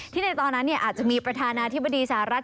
ในตอนนั้นอาจจะมีประธานาธิบดีสหรัฐ